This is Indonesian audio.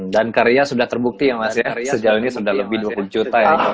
karya sudah terbukti ya mas ya sejauh ini sudah lebih dua puluh juta ya